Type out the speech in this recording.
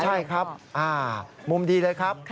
ใช่ครับมุมดีเลยครับ